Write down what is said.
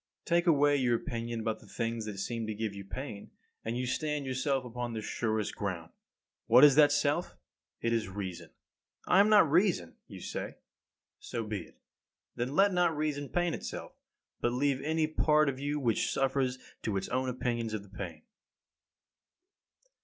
40. Take away your opinion about the things that seem to give you pain, and you stand yourself upon the surest ground. What is that self? It is reason. I am not reason, you say. So be it; then let not reason pain itself, but leave any part of you which suffers to its own opinions of the pain.